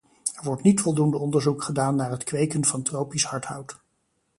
Er wordt niet voldoende onderzoek gedaan naar het kweken van tropisch hardhout.